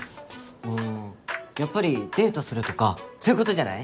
うんやっぱりデートするとかそういうことじゃない？